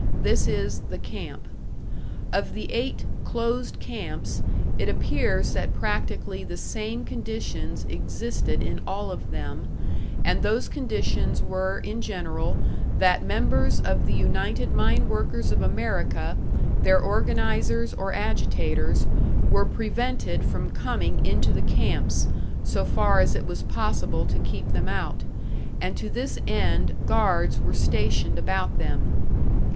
This is 'the camp.' Of the eight 'closed camps' it appears that practically the same conditions existed in all of them, and those conditions were in general that members of the United Mine Workers of America, their organisers or agitators, were prevented from coming into the camps, so far as it was possible to keep them out, and to this end guards were stationed about them.